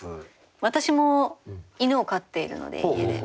私も犬を飼っているので家で。